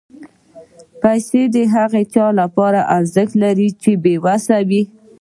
پېسې د هغه چا لپاره ارزښت لري چې بېوسه وي.